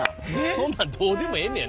そんなんどうでもええねや。